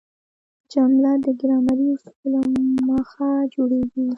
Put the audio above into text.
جمله د ګرامري اصولو له مخه جوړیږي.